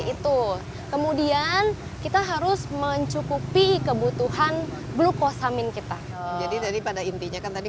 itu kemudian kita harus mencukupi kebutuhan glukosamin kita jadi daripada intinya kan tadi